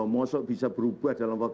mosok bisa berubah dalam